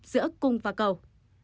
giữa cung và cầu